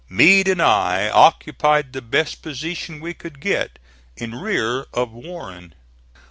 Meade and I occupied the best position we could get, in rear of Warren.